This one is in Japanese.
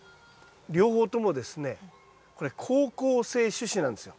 両方ともですねこれ好光性種子なんですよ。